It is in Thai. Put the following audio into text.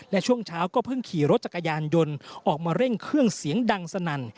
และช่วงเช้าก็เพิ่งขี่รถจักรยานยนต์ออกมาเร่งเครื่องเสียงดังสนั่น